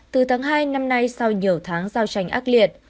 từ tháng hai năm nay sau nhiều tháng giao tranh ác liệt